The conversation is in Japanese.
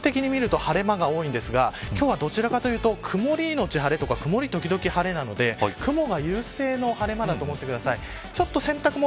全国的に見ると晴れ間が多いですが今日はどちらかというと曇りのち晴れか曇り時々、晴れなので雲が優勢の晴れ間だと思ってください。